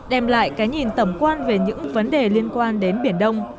đem lại cái nhìn tẩm quan về những vấn đề liên quan đến biển đông